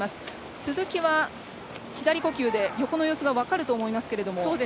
鈴木は左呼吸で、横の様子が分かると思いますが。